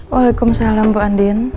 waalaikumsalam bu andin